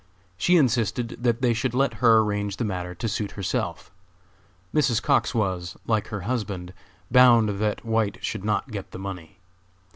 She insisted that they should let her arrange the matter to suit herself. Mrs. Cox was, like her husband, bound that White should not get the money.